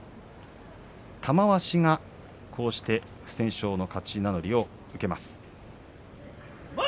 玉鷲が、こうして不戦勝の勝ち名乗りを受けます。